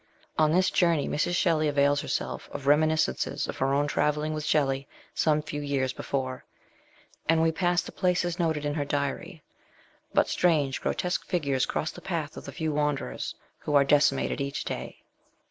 On this journey Mrs. Shelley avails herself of reminiscences of her own travelling with Shelley some few years before ; and we pass the places noted in her diary ; but strange grotesque figures cross the path of the few wanderers, who are decimated each day.